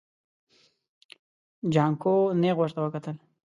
جانکو نيغ ورته وکتل.